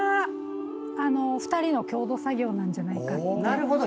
なるほど。